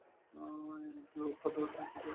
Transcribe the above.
এমনকি উৎপাতকারী শিশুকেও আফিম খাইয়ে শান্ত করা হতো।